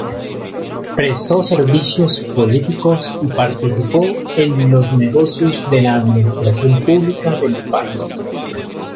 Prestó servicios políticos y participó en los negocios de la administración pública del país.